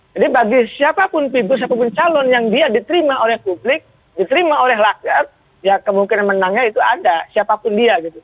jadi bagi siapapun figur siapapun calon yang dia diterima oleh publik diterima oleh lakar ya kemungkinan menangnya itu ada siapapun dia gitu